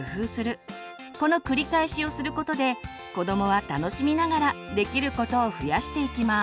この繰り返しをすることで子どもは楽しみながらできることを増やしていきます。